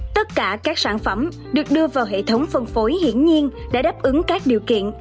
tất cả các sản phẩm được đưa vào hệ thống phân phối hiển nhiên đã đáp ứng các điều kiện